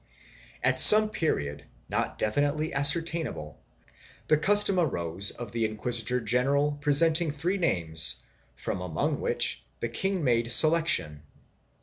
4 At some period, not definitely ascertainable, the custom arose of the inquisitor general presenting three names from among which the king made selection.